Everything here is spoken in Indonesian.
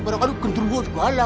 barangkali gendrungan segala